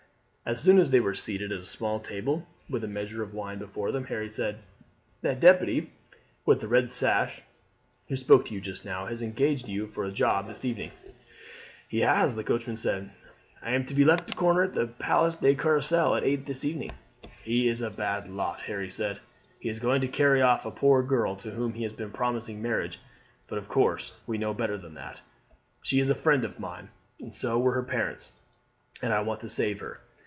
As soon as they were seated at a small table with a measure of wine before them Harry said: "That deputy with the red sash who spoke to you just now has engaged you for a job this evening?" "He has," the coachman said. "I am to be at the left corner of the Place de Carrousel at eight this evening." "He is a bad lot," Harry said; "he is going to carry off a poor girl to whom he has been promising marriage; but of course we know better than that. She is a friend of mine, and so were her parents, and I want to save her.